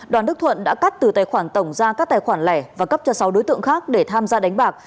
đoàn đức thuận đã cắt từ tài khoản tổng ra các tài khoản lẻ và cấp cho sáu đối tượng khác để tham gia đánh bạc